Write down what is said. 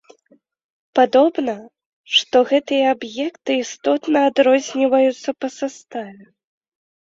Падобна, што гэтыя аб'екты істотна адрозніваюцца па саставе.